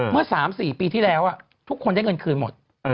เมื่อ๓๔ปีที่แล้วทุกคนได้เงินคืนหมด